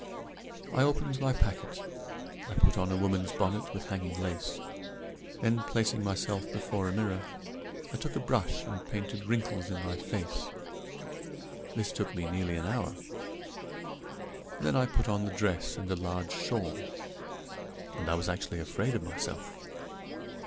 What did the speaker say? I opened my packet, I put on a woman's bonnet with hanging lace; then, placing myself before a mirror, I took a brush and painted wrinkles in my face. This took me nearly an hour. Then I put on the dress and a large shawl, and I was actually afraid of myself.